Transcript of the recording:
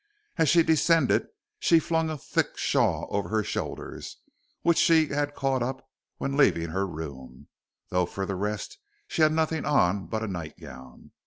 As she descended she flung a thick shawl over her shoulders, which she had caught up when leaving her room, though for the rest she had nothing on but a nightgown.